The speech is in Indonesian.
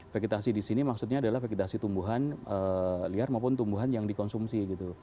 vegetasi di sini maksudnya adalah vegetasi tumbuhan liar maupun tumbuhan yang dikonsumsi gitu